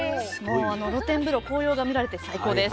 露天風呂紅葉が見られて最高です。